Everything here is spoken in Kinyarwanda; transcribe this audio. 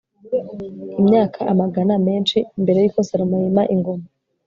imyaka amagana menshi mbere y'uko salomo yima ingoma